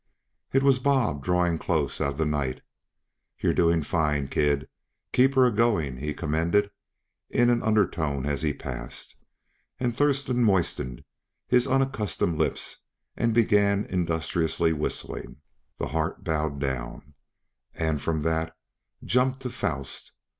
It was Bob, drawing close out of the night. "You're doing fine, Kid; keep her a going," he commended, in an undertone as he passed, and Thurston moistened his unaccustomed lips and began industriously whistling "The Heart Bowed Down," and from that jumped to Faust.